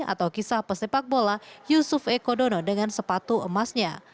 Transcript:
atau kisah pesepak bola yusuf ekodono dengan sepatu emasnya